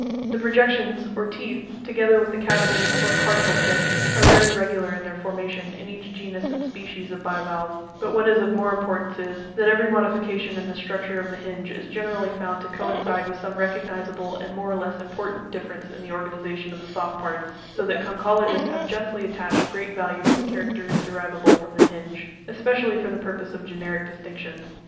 The" projections, or ' teeth," together with the cavi ties, or "' cardinal pits" (p), are very regular in their formation in each genus and species of bivalve, but what is of more impor tance is, that every modification in the structure of the hinge is generally found to coincide with some recognisable and more or less important difference in the organization of the soft parts; so that conchologists have justly attached great value to the charac ters derivable from the hinge, especially for the purpose of gene ric distinctions.